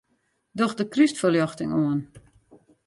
Doch de krystferljochting oan.